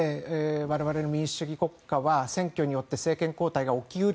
我々、民主主義国家は選挙によって政権交代が起こり得る。